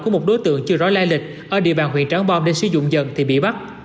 của một đối tượng chưa rõ lai lịch ở địa bàn huyện trắng bom để sử dụng dần thì bị bắt